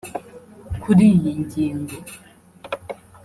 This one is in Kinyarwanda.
Kuri iyi ngingo